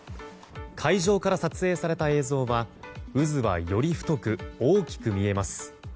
海上から撮影された映像は渦はより太く、大きく見えます。